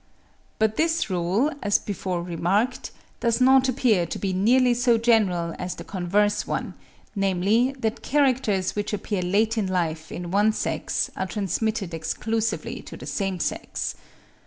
But this rule, as before remarked, does not appear to be nearly so general as the converse one, namely, that characters which appear late in life in one sex are transmitted exclusively to the same sex.